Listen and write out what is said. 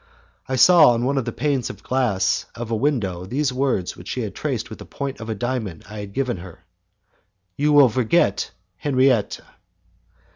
I saw on one of the panes of glass of a window these words which she had traced with the point of a diamond I had given her: "You will forget Henriette."